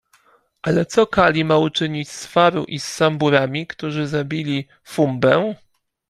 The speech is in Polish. Ale co Kali ma uczynić z Faru i z Samburami, którzy zabili Fumbę?